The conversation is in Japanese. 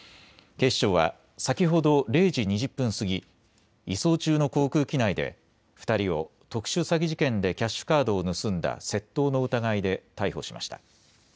警視庁は先ほど０時２０分過ぎ、移送中の航空機内で２人を特殊詐欺事件でキャッシュカードを盗んだ窃盗の疑いで逮捕しました。